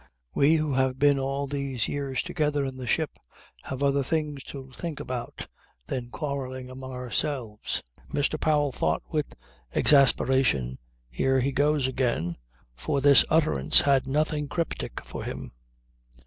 We who have been all these years together in the ship have other things to think about than quarrelling among ourselves." Mr. Powell thought with exasperation: "Here he goes again," for this utterance had nothing cryptic for him.